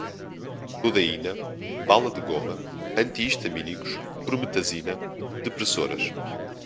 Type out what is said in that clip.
codeína, bala de goma, anti-histamínicos, prometazina, depressoras